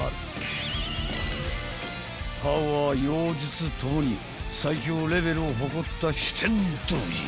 ［パワー妖術ともに最強レベルを誇った酒呑童子］